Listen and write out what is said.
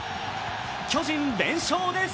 巨人、連勝です。